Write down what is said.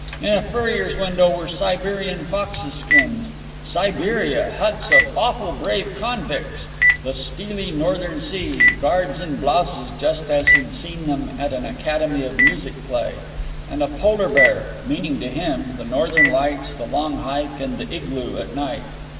In a furrier's window were Siberian foxes' skins (Siberia! huts of "awful brave convicks"; the steely Northern Sea; guards in blouses, just as he'd seen them at an Academy of Music play) and a polar bear (meaning, to him, the Northern Lights, the long hike, and the igloo at night).